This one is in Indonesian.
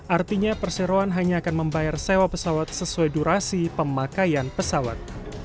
artinya perseroan hanya akan membayar sewa pesawat sesuai durasi pemakaian pesawat